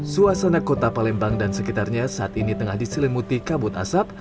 suasana kota palembang dan sekitarnya saat ini tengah diselimuti kabut asap